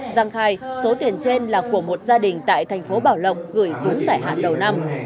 giang khai số tiền trên là của một gia đình tại thành phố bảo lộc gửi cúng giải hạn đầu năm